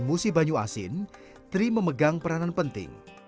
musi banyu asin tri memegang peranan penting